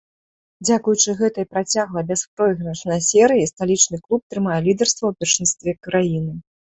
Дзякуючы гэтай працяглай бяспройгрышнай серыі сталічны клуб трымае лідарства ў першынстве краіны.